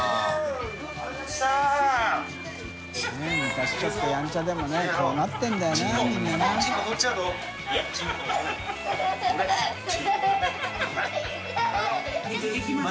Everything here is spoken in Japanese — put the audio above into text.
昔ちょっとやんちゃでもねこうなってんだよなみんなな。